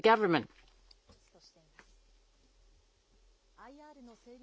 ＩＲの整備